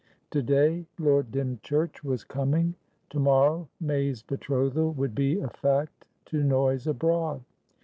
To day Lord Dymchurch was coming; to morrow May's betrothal would be a fact to noise abroad.